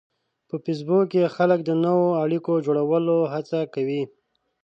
په فېسبوک کې خلک د نوو اړیکو جوړولو هڅه کوي